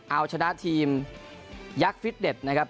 เอาชนะทีมยักษ์ฟิตเน็ตนะครับ